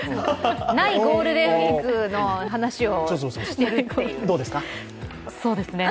ないゴールデンウイークの話をしてるっていう。